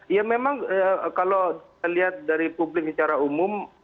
ya memang kalau kita lihat dari publik secara umum